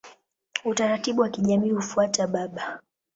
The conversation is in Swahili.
Utaratibu wa kijamii hufuata baba.